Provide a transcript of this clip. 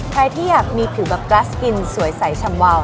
ใครที่อยากมีผิวแบบกราสกินสวยใสชำวาว